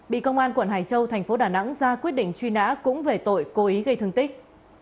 bị công an quận hải châu thành phố đà nẵng ra quyết định truy nã cũng về tội cố ý gây thương tích